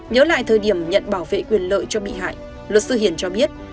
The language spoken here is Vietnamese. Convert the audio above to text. nhớ lại thời điểm nhận bảo vệ quyền lợi cho bị hại luật sư hiển cho biết